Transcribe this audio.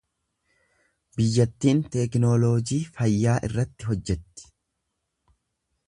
Biyyattiin teknooloojii fayyaa irratti hojjetti.